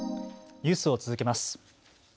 ニュースを続けます。